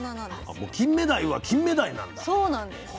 あもうキンメダイはキンメダイなんだ。